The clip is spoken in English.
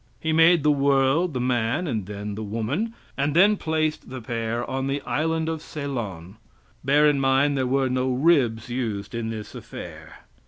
He made the world, the man, and then the woman, and then placed the pair on the Island of Ceylon. (Bear in mind, there were no ribs used in this affair.)